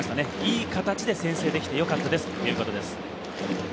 いい形で先制できてよかったですということです。